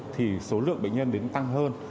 thì số lượng bệnh nhân đến tăng hơn